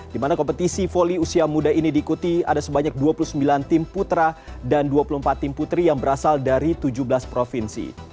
di mana kompetisi volley usia muda ini diikuti ada sebanyak dua puluh sembilan tim putra dan dua puluh empat tim putri yang berasal dari tujuh belas provinsi